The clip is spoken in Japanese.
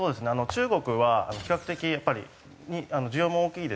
中国は比較的やっぱり需要も大きいですし。